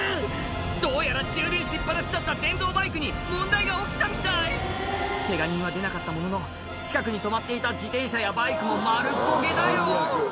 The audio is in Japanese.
どうやら充電しっ放しだった電動バイクに問題が起きたみたいケガ人は出なかったものの近くに止まっていた自転車やバイクも丸焦げだよ